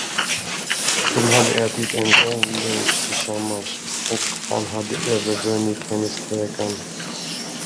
De hade ätit en lång lunch tillsammans, och han hade övervunnit hennes tvekan.